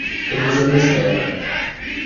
It was a misnomer.